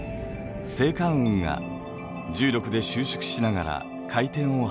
星間雲が重力で収縮しながら回転を始めます。